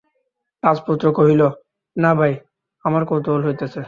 রাজপুত্র কহিল, না ভাই, আমার কৌতূহল হইতেছে।